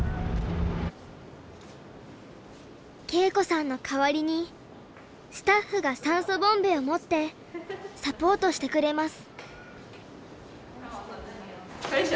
恵子さんの代わりにスタッフが酸素ボンベを持ってサポートしてくれます。